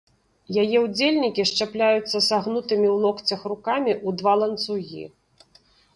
Яе ўдзельнікі счапляюцца сагнутымі ў локцях рукамі ў два ланцугі.